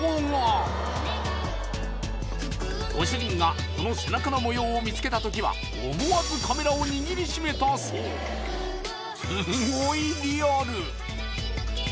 ご主人がこの背中の模様を見つけた時は思わずカメラを握りしめたそうすごいリアル！